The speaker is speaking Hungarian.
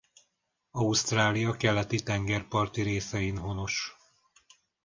Ausztrália keleti tengerparti részein honos.